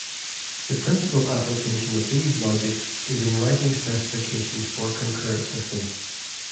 The principal application of these logics is in writing specifications for concurrent systems.